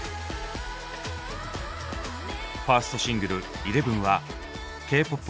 ファーストシングル「ＥＬＥＶＥＮ」はＫーＰＯＰ